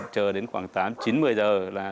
chờ đến khoảng tám chín một mươi giờ là